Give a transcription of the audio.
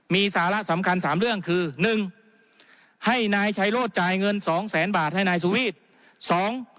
มีสาระสำคัญ๓เรื่องคือ๑ให้นายชัยโรธจ่ายเงินสองแสนบาทให้นายสุวีท